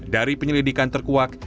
dari penyelidikan terkuak